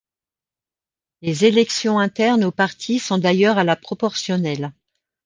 Les élections internes au parti sont d'ailleurs à la proportionnelle.